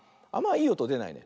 いいおとでないね。